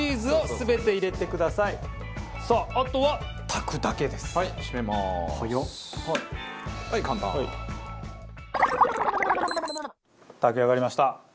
炊き上がりました。